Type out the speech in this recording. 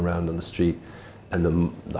nơi con tôi trở thành